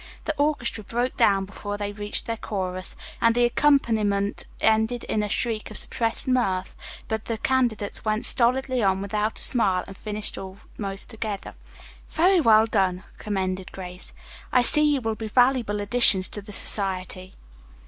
The orchestra broke down before they reached their chorus, and the accompaniment ended in a shriek of suppressed mirth, but the candidates went stolidly on without a smile and finished almost together. "Very well done," commended Grace. "I see you will be valuable additions to the society."